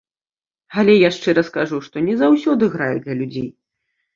Але я шчыра скажу, што не заўсёды граю для людзей.